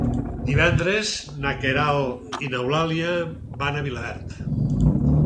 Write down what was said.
Divendres na Queralt i n'Eulàlia van a Vilaverd.